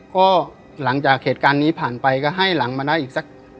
ก็หลังจากเหตุการณ์นี้ผ่านไปก็ให้หลังมาได้อีกสัก